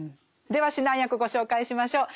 では指南役ご紹介しましょう。